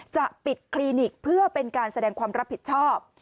จะปิดคลินิกเพื่อเป็นการแสดงความรับผิดชอบ